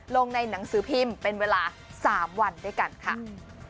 ลงในหนังสือพิมพ์เป็นเวลา๓วันด้วยกันค่ะ